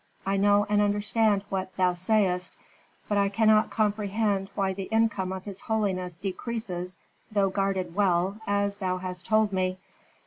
"I know and understand what thou sayest. But I cannot comprehend why the income of his holiness decreases, though guarded well, as thou hast told me."